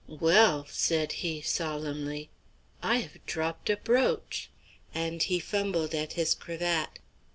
"Well," said he, solemnly, "I have dropped a brooch," and he fumbled at his cravat.